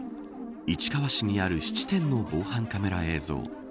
市川市にある質店の防犯カメラ映像。